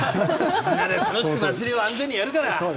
みんなで楽しく祭りを安全にやるから！